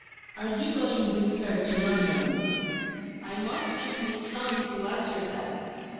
"Are you going with her to London?" "I must leave Miss Henley to answer that."